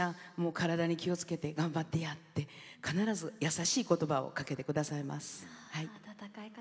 体に気をつけて頑張ってやって必ず優しい言葉をかけてくださいます。